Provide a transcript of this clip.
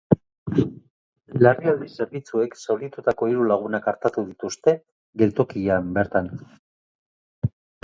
Larrialdi zerbitzuek zauritutako hiru lagunak artatu dituzte, geltokian bertan.